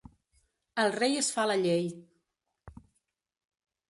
El rei es fa la llei.